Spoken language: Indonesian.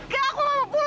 gak aku gak mau pulang